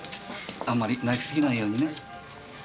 あんまり鳴きすぎないようにね。